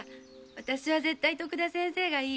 私は絶対徳田先生がいい。